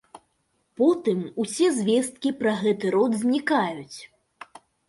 Потым усе звесткі пра гэты род знікаюць.